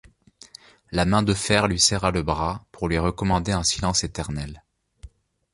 La main de fer lui serra le bras pour lui recommander un silence éternel.